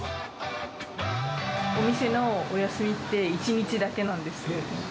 お店のお休みって１日だけなそう。